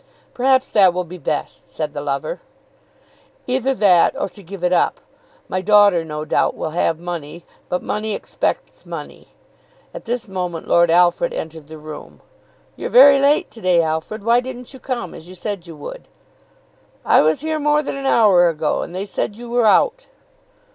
"Perhaps that will be best," said the lover. "Either that, or to give it up. My daughter, no doubt, will have money; but money expects money." At this moment Lord Alfred entered the room. "You're very late to day, Alfred. Why didn't you come as you said you would?" "I was here more than an hour ago, and they said you were out."